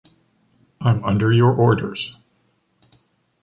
I’m under your orders